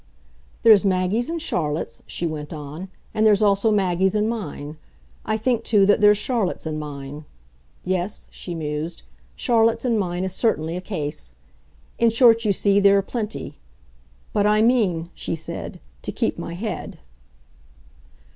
"There's Maggie's and Charlotte's," she went on "and there's also Maggie's and mine. I think too that there's Charlotte's and mine. Yes," she mused, "Charlotte's and mine is certainly a case. In short, you see, there are plenty. But I mean," she said, "to keep my head."